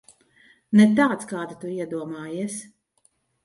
Ne tāds, kādu tu iedomājies.